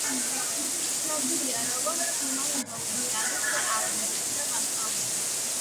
ცნობილია როგორც სიმონ ბოლივარის აღმზრდელი და მასწავლებელი.